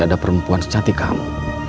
ada perempuan secantik kamu